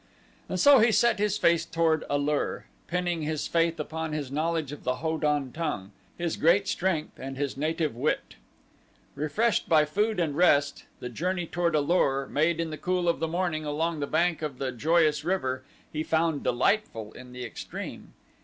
And so he set his face toward A lur, pinning his faith upon his knowledge of the Ho don tongue, his great strength and his native wit. Refreshed by food and rest, the journey toward A lur, made in the cool of the morning along the bank of the joyous river, he found delightful in the extreme.